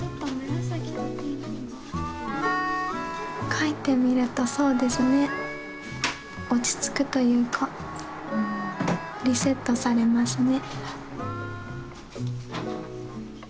書いてみるとそうですね落ち着くというかリセットされますね。